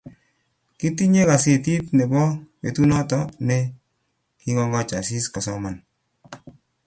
Kitinye gasetit nebo betunoto ne kiikoch Asisi kosoman